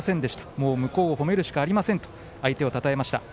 もう向こうをほめるしかありませんと相手をたたえました。